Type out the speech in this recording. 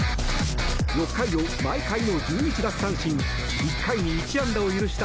６回を毎回の１１奪三振１回に１安打を許した